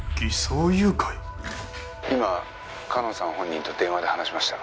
「今かのんさん本人と電話で話しました」